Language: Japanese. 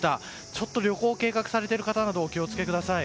ちょっと旅行を計画されている方などお気を付けください。